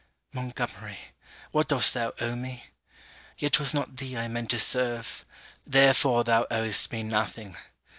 Montgomery, what dost thou owe me? Yet 'twas not thee I meant to serve; therefore thou owest me nothing.